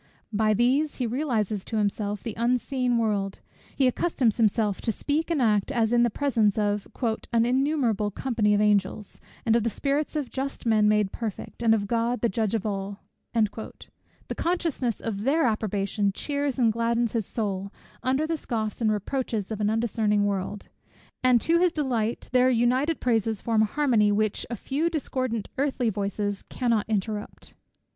By these he realizes to himself the unseen world; he accustoms himself to speak and act as in the presence of "an innumerable company of angels, and of the spirits of just men made perfect, and of God the Judge of all;" the consciousness of their approbation cheers and gladdens his soul, under the scoffs and reproaches of an undiscerning world, and to his delighted ear, their united praises form a harmony which a few discordant earthly voices cannot interrupt.